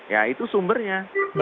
ya itu sumbernya